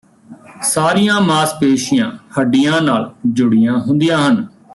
ਸਾਰੀਆਂ ਮਾਸਪੇਸ਼ੀਆਂ ਹੱਡੀਆਂ ਨਾਲ ਜੁੜੀਆਂ ਹੁੰਦੀਆਂ ਹਨ